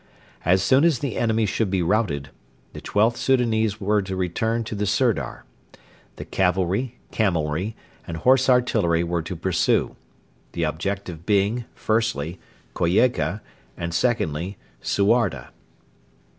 As soon as the enemy should be routed, the XIIth Soudanese were to return to the Sirdar. The cavalry, camelry, and Horse Artillery were to pursue the objective being, firstly, Koyeka, and, secondly, Suarda.